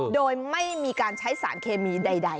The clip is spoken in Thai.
โดยไม่มีการใช้สารเคมีใด